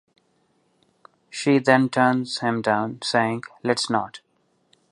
She then turns him down, saying "Let's not".